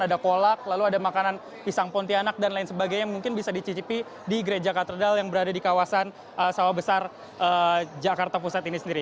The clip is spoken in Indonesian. ada kolak lalu ada makanan pisang pontianak dan lain sebagainya mungkin bisa dicicipi di gereja katedral yang berada di kawasan sawah besar jakarta pusat ini sendiri